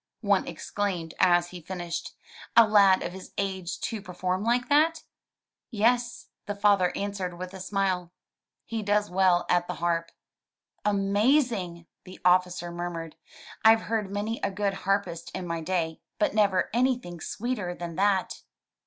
one exclaimed as he finished, "a lad of his age to perform like that! "Yes, the father answered with a smile, "he does well at the harp.*' "Amazing, the officer murmured, "Fve heard many a good harpist in my day, but never anything sweeter than that.